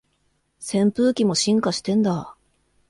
扇風機も進化してんだ